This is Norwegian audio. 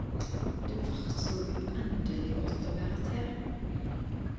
Det vart så uendeleg godt å vera til.